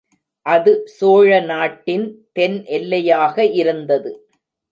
அது சோழ நாட்டின் தென் எல்லையாக இருந்தது.